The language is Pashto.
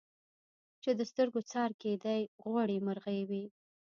چي د سترګو څار کېدی غوړي مرغې وې